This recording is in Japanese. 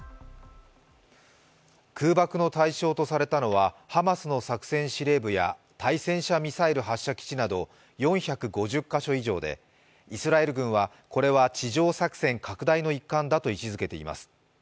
空爆の対象とされたのはハマスの作戦司令部や対戦車ミサイル発射基地など４５０か所以上でイスラエル軍はこれは地上作戦拡大の一環だと位置づけています。